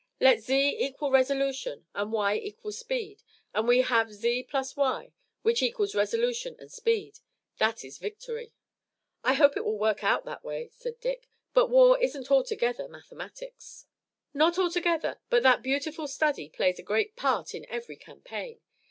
Let z equal resolution and y equal speed and we have z plus y which equals resolution and speed, that is victory." "I hope it will work out that way," said Dick, "but war isn't altogether mathematics." "Not altogether, but that beautiful study plays a great part in every campaign.